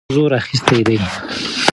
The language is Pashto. جنګ زور اخیستی دی.